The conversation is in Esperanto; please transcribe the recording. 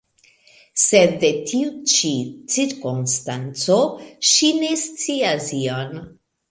Sed de tiu ĉi cirkonstanco ŝi ne scias ion.